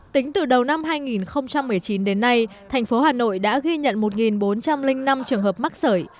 tính từ đầu năm hai nghìn một mươi chín đến nay thành phố hà nội đã ghi nhận một bốn trăm linh năm trường hợp mắc sởi